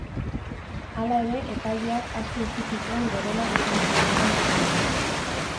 Hala ere epaileak aske utzi zituen Gorenak esan zuenaren esperoan.